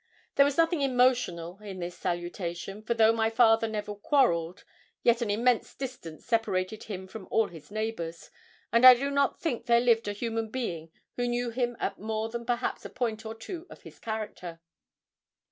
There was nothing emotional in this salutation, for though my father never quarrelled, yet an immense distance separated him from all his neighbours, and I do not think there lived a human being who knew him at more than perhaps a point or two of his character.